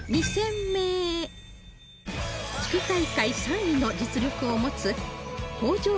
地区大会３位の実力を持つ向上